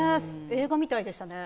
映画みたいでしたね